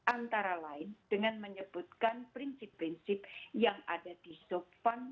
antara lain dengan menyebutkan prinsip prinsip yang ada di sopan